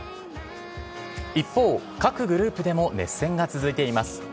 一方、各グループでも熱戦が続いています。